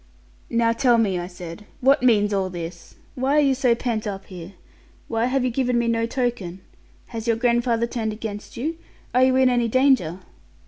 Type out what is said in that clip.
'Now tell me,' I said; 'what means all this? Why are you so pent up here? Why have you given me no token? Has your grandfather turned against you? Are you in any danger?'